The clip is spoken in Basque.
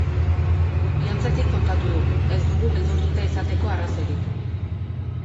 Bihotzetik kontatu dugu, ez dugu beldurtuta izateko arrazoirik.